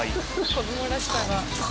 子供らしさが。